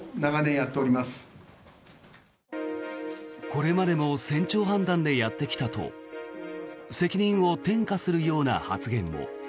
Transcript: これまでも船長判断でやってきたと責任を転嫁するような発言も。